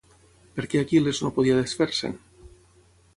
Per què Aquil·les no podia desfer-se'n?